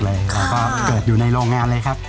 แล้วก็เกิดอยู่ในโรงงานเลยครับ